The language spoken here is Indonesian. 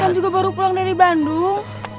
eros kan juga baru pulang dari bandung